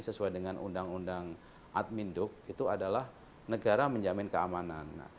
sesuai dengan undang undang admin duk itu adalah negara menjamin keamanan